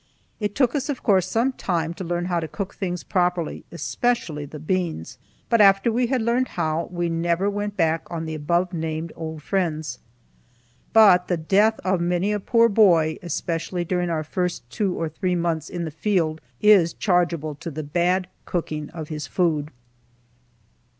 It took us, of course, some time to learn how to cook things properly, especially the beans, but after we had learned how, we never went back on the above named old friends. But the death of many a poor boy, especially during our first two or three months in the field, is chargeable to the bad cooking of his food.